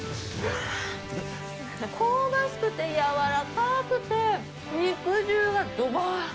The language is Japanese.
香ばしくて柔らかくて、肉汁がどばっ。